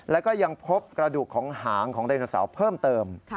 แล้วก็ยังพบกระดูกของหางของไดโนเสาร์เพิ่มเติม